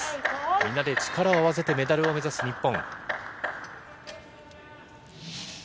みんなで力を合わせてメダルを目指す日本。